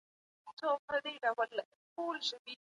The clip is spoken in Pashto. د پانګي راکد پاته کيدل اقتصاد ته زيان رسوي.